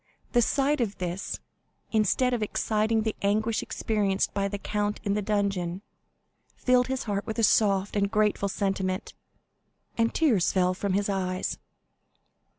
The sight of this, instead of exciting the anguish experienced by the count in the dungeon, filled his heart with a soft and grateful sentiment, and tears fell from his eyes.